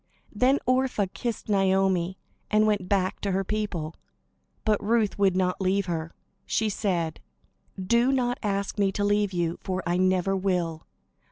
Then Orpah kissed Naomi, and went back to her people; but Ruth would not leave her. She said: "Do not ask me to leave you, for I never will.